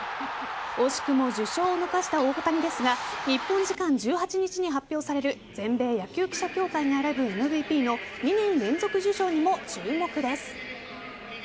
惜しくも受賞を逃した大谷ですが日本時間１８日に発表される全米野球記者協会が選ぶＭＶＰの２年連続受賞にも注目です。